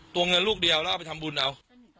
ตัวเงินลูกเดียวแล้วเอาไปทำบุญเอา